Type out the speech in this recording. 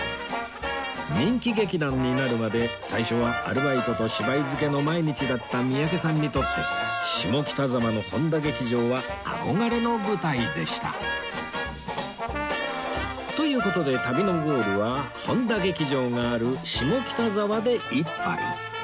人気劇団になるまで最初はアルバイトと芝居漬けの毎日だった三宅さんにとって下北沢のという事で旅のゴールは本多劇場がある下北沢で一杯